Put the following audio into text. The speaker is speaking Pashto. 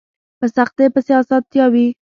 په سختۍ پسې اسانتيا وي